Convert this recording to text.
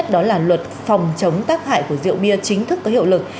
đó là luật phòng chống tác hại của rượu bia chính thức có hiệu lực